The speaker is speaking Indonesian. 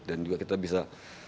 dan juga kita bisa